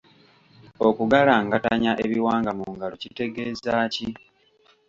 Okugalangatanya ebiwanga mu ngalo" kitegeeza ki?